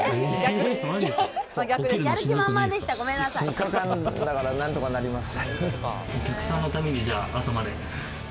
３日間だけだから何とかなります。